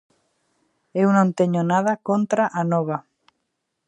Eu non teño nada contra Anova.